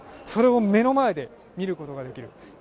それを目の前で見ることができる。